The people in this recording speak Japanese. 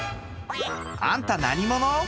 「あんた何者ｗ」